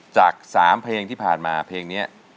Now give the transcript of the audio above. จาก๓เพลงที่ผ่านมาเพลงนี้